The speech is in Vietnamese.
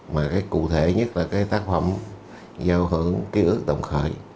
mà cái cụ thể nhất là cái tác phẩm giao hưởng ký ức đồng khởi